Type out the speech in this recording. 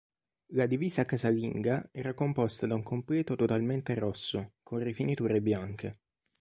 La divisa casalinga era composta da un completo totalmente rosso, con rifiniture bianche.